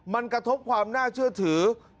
มันกระทบความน่าเชื่อถือ